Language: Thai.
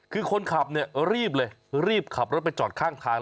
คือคนขับเนี่ยรีบเลยรีบขับรถไปจอดข้างทาง